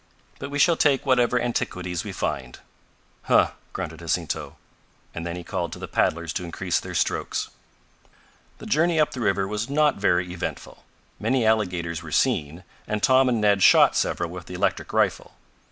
But we shall take whatever antiquities we find." "Huh!" grunted Jacinto, and then he called to the paddlers to increase their strokes. The journey up the river was not very eventful. Many alligators were seen, and Tom and Ned shot several with the electric rifle.